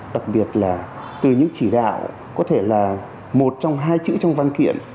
đặc biệt là từ những chỉ đạo có thể là một trong hai chữ trong văn kiện